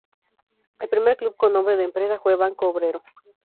El primer club con nombre de empresa fue: Banco Obrero.